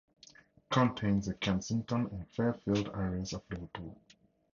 It contains the Kensington and Fairfield areas of Liverpool.